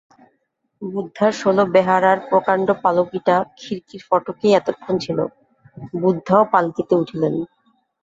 বুদ্ধার ষোল বেহারার প্রকাণ্ড পালকিটা খিড়কির ফটকেই এতক্ষণ ছিল, বুদ্ধাও পালকিতে উঠিলেন।